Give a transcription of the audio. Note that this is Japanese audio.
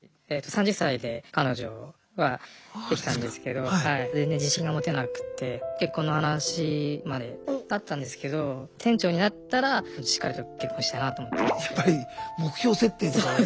３０歳で彼女はできたんですけど全然自信が持てなくて結婚の話まであったんですけど店長になったらしっかりと結婚したいなと思ったんですけど。